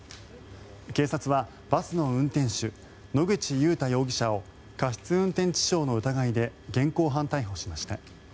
警察は、バスの運転手野口祐太容疑者を過失運転致傷の疑いで現行犯逮捕しました。